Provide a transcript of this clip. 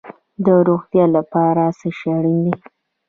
د روغتیا لپاره څه شی اړین دي؟